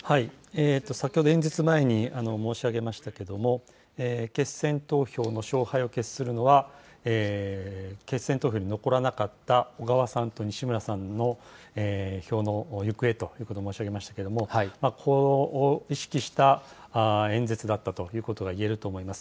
先ほど演説前に申し上げましたけれども、決選投票の勝敗を決するのは、決選投票に残らなかった小川さんと西村さんの票の行方ということを申し上げましたけれども、この意識した演説だったといえると思います。